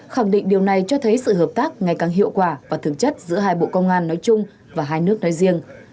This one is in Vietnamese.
khẳng định điều này cho thấy sự hợp tác ngày càng hiệu quả và thực chất giữa hai bộ công an nói chung và hai nước nói riêng